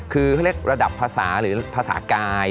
คือเขาเรียกระดับภาษาหรือภาษากาย